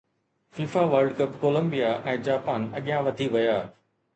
FIFA world cup Colombia ۽ Japan اڳيان وڌي ويا